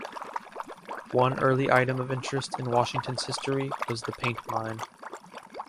One early item of interest in Washington's history was the "paint mine".